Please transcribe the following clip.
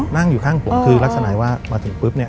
นั่งอยู่ข้างผมคือลักษณะว่ามาถึงปุ๊บเนี่ย